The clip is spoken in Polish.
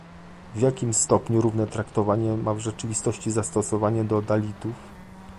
W jakim stopniu równe traktowanie ma w rzeczywistości zastosowanie do Dalitów?